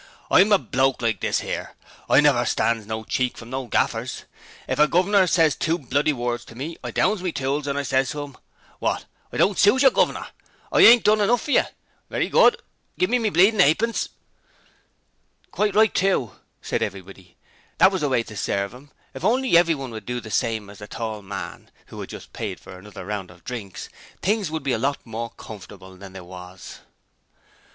'I'm a bloke like this 'ere: I never stands no cheek from no gaffers! If a guv'nor ses two bloody words to me, I downs me tools and I ses to 'im, "Wot! Don't I suit yer, guv'ner? Ain't I done enuff for yer? Werry good! Gimmie me bleedin' a'pence."' 'Quite right too,' said everybody. That was the way to serve 'em. If only everyone would do the same as the tall man who had just paid for another round of drinks things would be a lot more comfortable than they was.